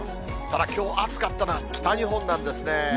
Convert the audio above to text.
ただ、きょう暑かったのは北日本なんですね。